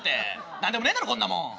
何でもねえだろこんなもん。